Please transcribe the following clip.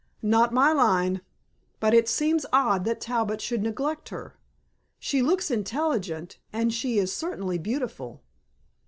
"Not my line. But it seems odd that Talbot should neglect her. She looks intelligent and she is certainly beautiful."